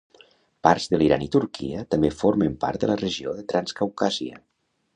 Parts de l'Iran i Turquia també formen part de la regió de Transcaucàsia.